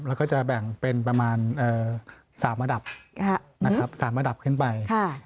แล้วก็จะแบ่งเป็นประมาณ๓ระดับ๓ระดับขึ้นไป